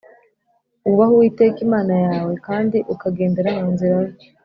Wubaheuwiteka Imana yawe kandi ukagendera mu nzira ze